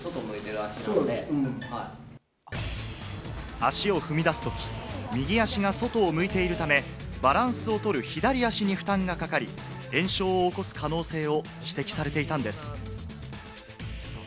足を踏み出すとき、右足が外を向いているため、バランスを取る左足に負担がかかり、炎症を起こす可能性を指摘されていたのです。